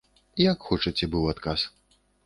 Як хочаце, быў адказ.